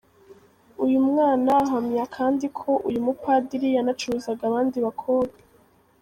Uyu mwana ahamya kandi ko uyu mupadiri yanacuruzaga abandi bakobwa.